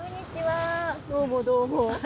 どうもどうも。